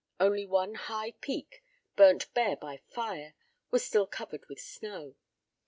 Only one high peak, burnt bare by fire, was still covered with snow.